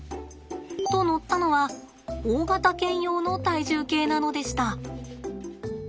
と乗ったのは大型犬用の体重計なのでした。